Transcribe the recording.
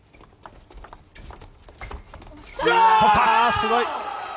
すごい。